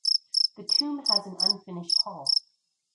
The tomb has an unfinished hall.